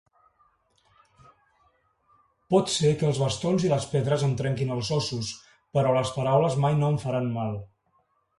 Pot ser que els bastons i les pedres em trenquin els ossos, però les paraules mai no em faran mal.